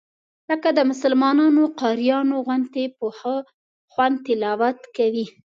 لکه مسلمانانو قاریانو غوندې په ښه خوند تلاوت کوي.